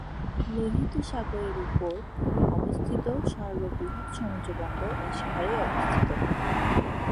লোহিত সাগরের উপর অবস্থিত সর্ববৃহৎ সমুদ্রবন্দর এই শহরেই অবস্থিত।